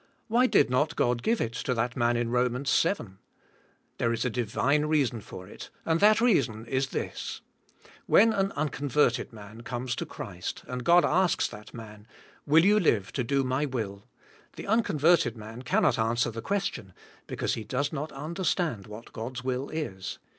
Why did not God give it to that man in Romans, seven? There is a divine reason for it and that reason is this: When an unconverted man comes to Christ and God asks that man, Will you live to do My will? The unconverted man cannot answer the question, because he does not understand what God's will is.